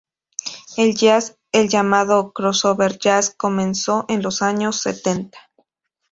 En el jazz, el llamado crossover jazz comenzó en los años setenta.